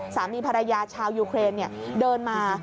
สามีภรรยาชาวยูเครนเดินมา